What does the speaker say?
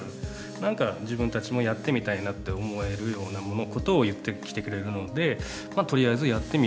何か自分たちもやってみたいなって思えるようなものことを言ってきてくれるのでとりあえずやってみようかっていう。